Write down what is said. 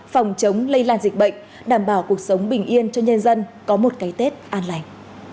phòng chống lây lan dịch bệnh đảm bảo cuộc sống bình yên cho nhân dân có một cái tết an lành